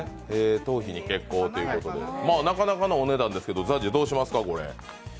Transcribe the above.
頭皮に血行ということで、なかなかのお値段ですけどＺＡＺＹ、どうしますか？